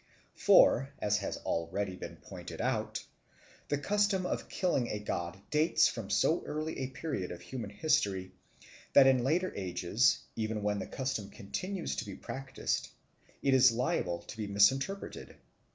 For, as has already been pointed out, the custom of killing a god dates from so early a period of human history that in later ages, even when the custom continues to be practised, it is liable to be misinterpreted.